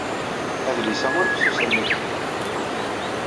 Adlis-a ur fessus am wihin.